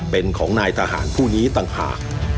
เป็นของนายทหารผู้นี้ต่างหาก